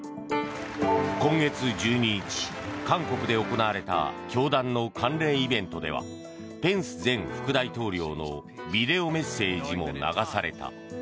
今月１２日、韓国で行われた教団の関連イベントではペンス前副大統領のビデオメッセージも流された。